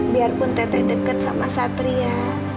meskipun teteh dekat dengan satria